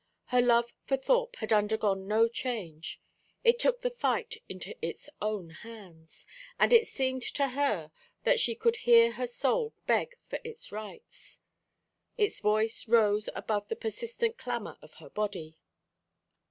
Her love for Thorpe had undergone no change; it took the fight into its own hands. And it seemed to her that she could hear her soul beg for its rights; its voice rose above the persistent clamour of her body.